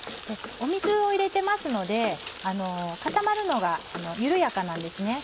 水を入れてますので固まるのが緩やかなんです。